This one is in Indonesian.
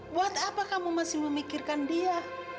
buat apa kamu masih memikirkan dia